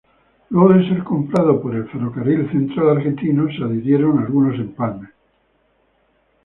Luego de ser comprado por el Ferrocarril Central Argentino se adhirieron algunos empalmes.